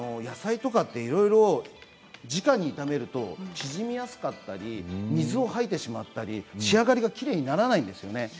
野菜とかってじかに炒めると縮みやすかったり水を吐いてしまったり仕上がりがきれいにならないんですよね。